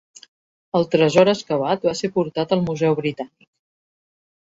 El tresor excavat va ser portat al Museu Britànic.